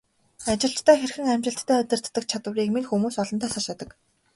Ажилчдаа хэрхэн амжилттай удирддаг чадварыг минь хүмүүс олонтаа сайшаадаг.